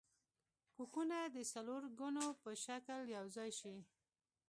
کوکونه د څلورګونو په شکل یوځای شي.